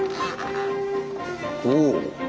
おお。